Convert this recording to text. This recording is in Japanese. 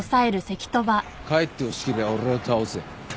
帰ってほしけりゃ俺を倒せ。